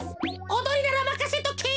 おどりならまかせとけ。